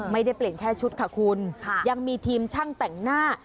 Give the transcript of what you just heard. ไม่ได้เปลี่ยนแค่ชุดค่ะคุณยังมีทีมช่างแต่งหน้า